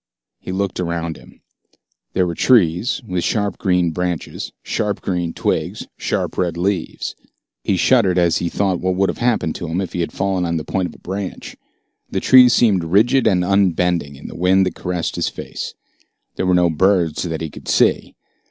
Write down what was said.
He looked around him. There were trees, with sharp green branches, sharp green twigs, sharp red leaves. He shuddered as he thought of what would have happened to him if he had fallen on the point of a branch. The trees seemed rigid and unbending in the wind that caressed his face. There were no birds that he could see.